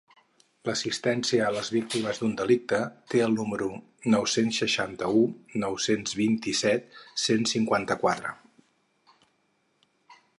L'assistència a les víctimes d'un delicte té el número: nou-cents seixanta-u nou-cents vint-i-set cent cinquanta-quatre.